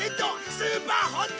スーパーホント！